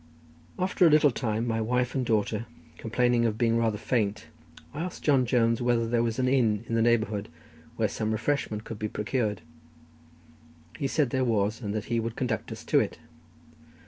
After a little time my wife and daughter, complaining of being rather faint, I asked John Jones whether there was an inn in the neighbourhood where some refreshment could be procured. He said there was, and that he would conduct us to it.